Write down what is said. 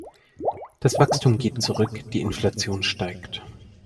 Das Wachstum geht zurück, die Inflation steigt.